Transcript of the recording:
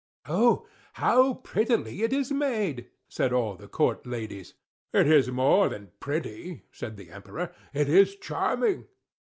"Oh, how prettily it is made!" said all the court ladies. "It is more than pretty," said the Emperor, "it is charming!"